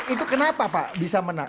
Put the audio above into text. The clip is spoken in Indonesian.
itu kenapa pak bisa menang